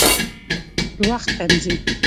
د وخت تنظیم